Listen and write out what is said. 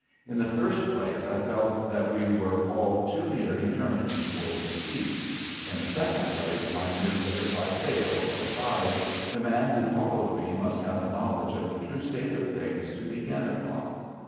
In the first place, I felt that we were all too near eternity for deceit ; in the second place, I knew that if I failed, or died, the man who followed me must have a knowledge of the true state of things to begin upon.